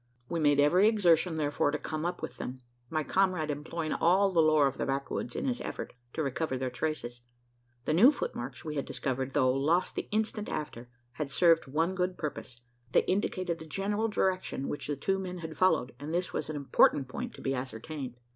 We made every exertion, therefore, to come up with them my comrade employing all the lore of the backwoods, in his effort to recover their traces. The new footmarks we had discovered, though lost the instant after, had served one good purpose. They indicated the general direction which the two men had followed; and this was an important point to be ascertained.